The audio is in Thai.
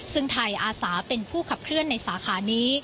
ซึ่งไทยอาสาเป็นผู้ขับเคลื่อนในสาขานี้